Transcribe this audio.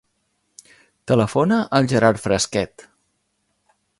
Telefona al Gerard Frasquet.